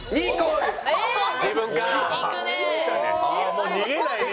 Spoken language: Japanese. もう逃げないね